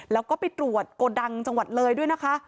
แล้วก็ไปตรวจโกดังจังหวัดเลยด้วยนะคะ